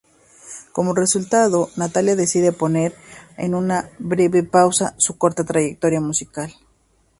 Como resultado, Natalia decide poner en una breve pausa su corta trayectoria musical.